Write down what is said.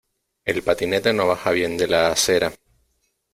El patinete no baja bien de la acera.